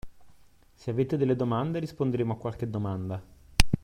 Se avete delle domande, risponderemo a qualche domanda.